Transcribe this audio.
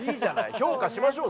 評価しましょう！